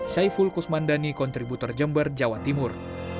saiful kusmandani kontributor jember jawa timur